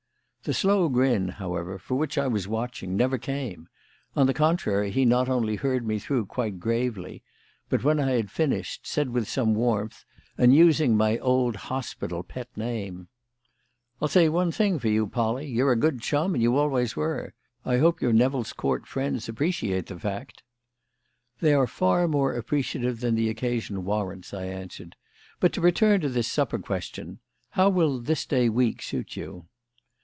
The slow grin, however, for which I was watching, never came; on the contrary, he not only heard me through quite gravely, but when I had finished said with some warmth, and using my old hospital pet name: "I'll say one thing for you, Polly; you're a good chum, and you always were. I hope your Nevill's Court friends appreciate the fact." "They are far more appreciative than the occasion warrants," I answered. "But to return to this supper question: how will this day week suit you?"